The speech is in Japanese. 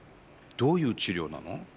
どういう治療なの？